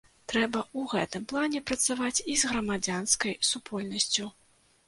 Трэба ў гэтым плане працаваць і з грамадзянскай супольнасцю.